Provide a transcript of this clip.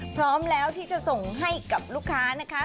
พร้อมแล้วที่จะส่งให้กับลูกค้านะคะ